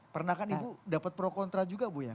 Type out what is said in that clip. pernah kan ibu dapat pro kontra juga bu ya